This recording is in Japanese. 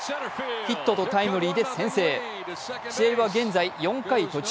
ヒットとタイムリーで先制試合は現在４回途中。